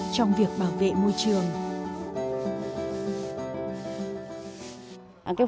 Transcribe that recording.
trong việc bảo vệ môi trường